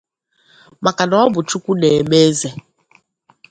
maka na ọ bụ Chukwu na-eme eze